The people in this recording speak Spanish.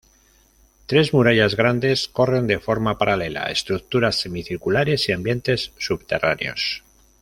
Tres murallas grandes corren de forma paralela, estructuras semicirculares y ambientes subterráneos.